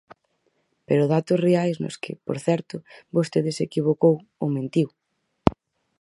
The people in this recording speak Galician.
Pero datos reais nos que, por certo, vostede se equivocou ou mentiu.